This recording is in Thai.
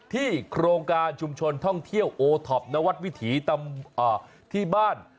โครงการชุมชนท่องเที่ยวโอท็อปนวัดวิถีที่บ้าน